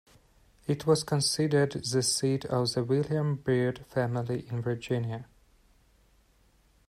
It was considered the seat of the William Byrd family in Virginia.